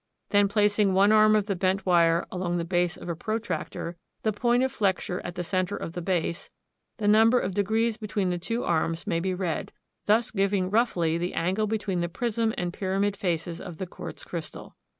Then placing one arm of the bent wire along the base of a protractor, the point of flexure at the center of the base, the number of degrees between the two arms may be read, thus giving roughly the angle between the prism and pyramid faces of the quartz crystal.